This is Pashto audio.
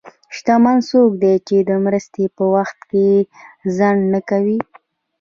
شتمن څوک دی چې د مرستې په وخت کې ځنډ نه کوي.